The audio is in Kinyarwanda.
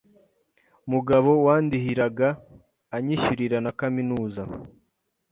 mugabo wandihiraga anyishyurira na kaminuza